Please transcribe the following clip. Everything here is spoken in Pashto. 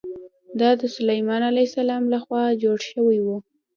دا د سلیمان علیه السلام له خوا جوړ شوی و.